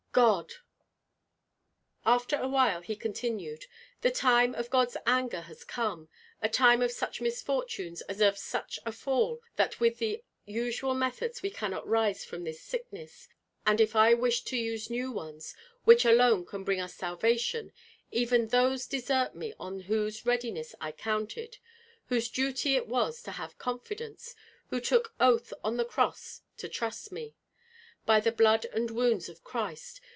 God!" After a while he continued: "The time of God's anger has come, a time of such misfortunes and of such a fall that with the usual methods we cannot rise from this sickness; and if I wish to use new ones, which alone can bring us salvation, even those desert me on whose readiness I counted, whose duty it was to have confidence, who took oath on the cross to trust me. By the blood and wounds of Christ!